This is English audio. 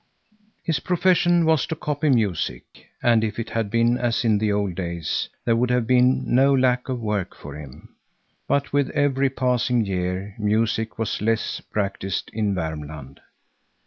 His profession was to copy music, and if it bad been as in the old days, there would have been no lack of work for him. But with every passing year music was less practised in Värmland.